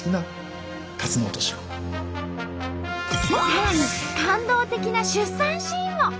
さらに感動的な出産シーンも。